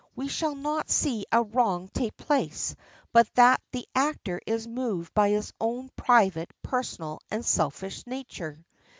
We shall not see a wrong take place but that the actor is moved by his own private, personal, and selfish nature.